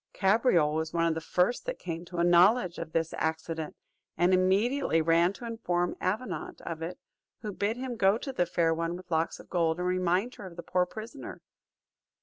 Cabriole was one of the first that came to a knowledge of this accident, and immediately ran to inform Avenant of it who bid him go to the Fair One with Locks of Gold, and remind her of the poor prisoner.